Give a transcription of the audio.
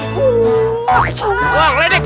enggak enggak apa lagi